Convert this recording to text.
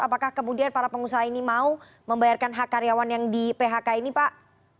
apakah kemudian para pengusaha ini mau membayarkan hak karyawan yang di phk ini pak